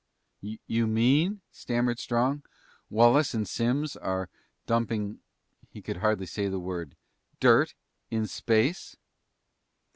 "You mean," stammered Strong, "Wallace and Simms are dumping" he could hardly say the word "dirt in space?"